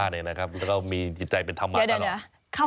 ดูเลยต่อมา